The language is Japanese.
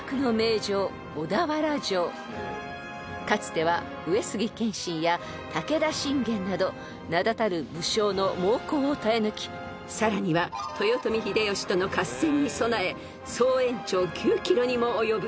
［かつては上杉謙信や武田信玄など名だたる武将の猛攻を耐え抜きさらには豊臣秀吉との合戦に備え］